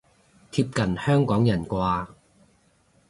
貼近香港人啩